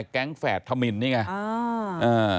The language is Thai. แก๊งแฝดธมินนี่ไง